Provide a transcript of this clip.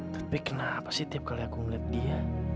tapi kenapa sih tiap kali aku melihat dia